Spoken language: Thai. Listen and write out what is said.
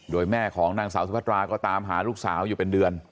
โดยแม่ของนางสาวสุพัตราก็ตามหาลูกสาวอยู่เป็นเดือน